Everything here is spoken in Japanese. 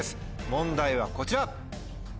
問題はこちら。